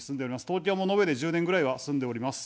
東京も延べで１０年ぐらいは住んでおります。